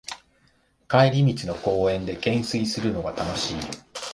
帰り道の公園でけんすいするのが楽しい